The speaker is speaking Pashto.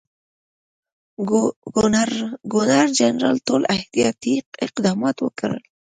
ګورنرجنرال ټول احتیاطي اقدامات وکړل.